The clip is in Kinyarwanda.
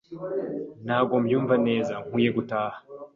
Ntabwo mbyumva neza. Nkwiye gutaha.